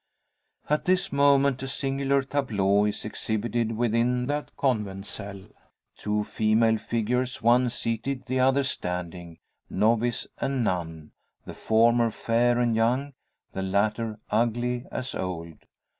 At this moment a singular tableau is exhibited within that Convent cell two female figures, one seated, the other standing novice and nun; the former fair and young, the latter ugly as old.